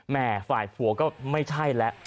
ฝ่ายผัวก็ไม่ใช่แล้ว